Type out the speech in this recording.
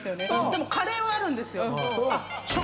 でもカレーはあるんですよ。